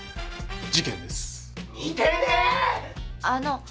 あの。